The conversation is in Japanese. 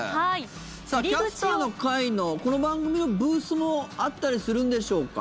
「キャスターな会」のこの番組のブースもあったりするんでしょうか？